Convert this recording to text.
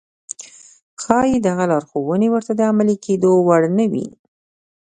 ښايي دغه لارښوونې ورته د عملي کېدو وړ نه وي.